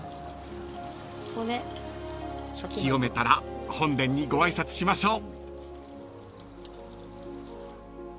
［清めたら本殿にご挨拶しましょう］